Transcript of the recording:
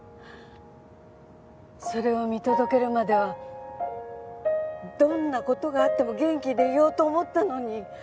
それを見届けるまではどんな事があっても元気でいようと思ったのに。